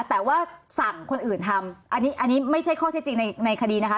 แต่ว่าสั่งคนอื่นทำอันนี้อันนี้ไม่ใช่ข้อเท็จจริงในคดีนะคะ